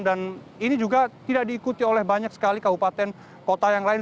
dan ini juga tidak diikuti oleh banyak sekali kabupaten kota yang lain